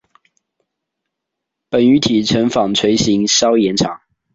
本鱼体成纺锤型稍延长。